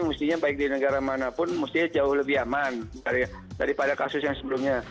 mestinya baik di negara manapun mestinya jauh lebih aman daripada kasus yang sebelumnya